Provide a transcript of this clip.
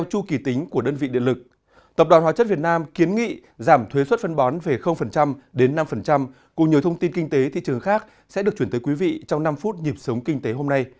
các thông tin kinh tế thị trường khác sẽ được chuyển tới quý vị trong năm phút nhịp sống kinh tế hôm nay